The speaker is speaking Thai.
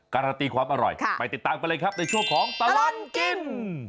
การันตีความอร่อยไปติดตามกันเลยครับในช่วงของตลอดกิน